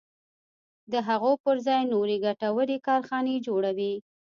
د هغو پر ځای نورې ګټورې کارخانې جوړوي.